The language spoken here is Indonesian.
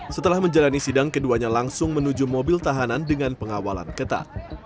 setelah menjalani sidang keduanya langsung menuju mobil tahanan dengan pengawalan ketat